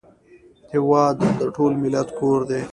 هېواد د ټول ملت کور دی